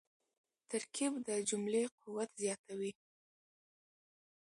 ترکیب د جملې قوت زیاتوي.